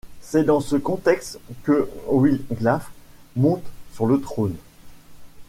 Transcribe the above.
C'est dans ce contexte que Wiglaf monte sur le trône.